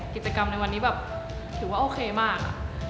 กิจกรรมในวันนี้แบบถือว่าโอเคมาก